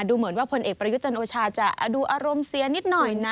ดูเหมือนว่าผลเอกประยุทธ์จันโอชาจะดูอารมณ์เสียนิดหน่อยนะ